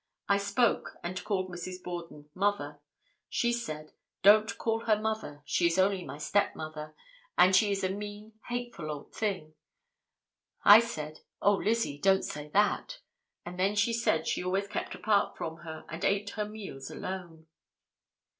I spoke, and called Mrs. Borden, 'mother.' She said, 'Don't call her mother, she is only my stepmother, and she is a mean, hateful old thing;' I said 'Oh Lizzie, don't say that,' and then she said she always kept apart from her, and ate her meals alone."